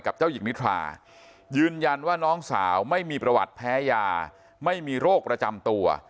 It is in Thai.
เจ้าหญิงนิทรายืนยันว่าน้องสาวไม่มีประวัติแพ้ยาไม่มีโรคประจำตัว